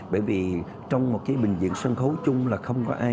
bởi vì trong một cái bình diện sân khấu chung là không có ai